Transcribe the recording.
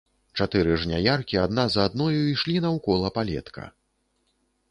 Чатыры жняяркі адна за адною ішлі наўкола палетка.